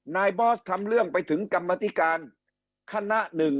นายบอสทำเรื่องไปถึงกรรมติการคณะ๑